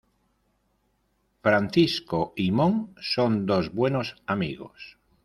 Francisco y Mon son dos buenos amigos.